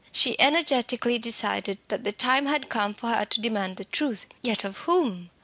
She energetically decided that the time had come for her to demand the truth. Yet, of whom?